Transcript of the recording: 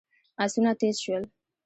آسونه تېز شول.